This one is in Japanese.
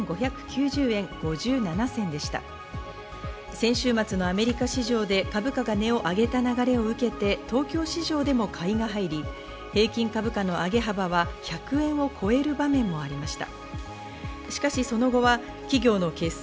先週末のアメリカ市場で株価が値を上げた流れを受けて東京市場でも買いが入り、平均株価の上げ幅は１００円を超える場面もありました。